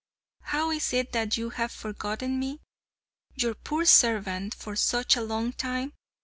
How is it that you have forgotten me, your poor servant, for such a long time?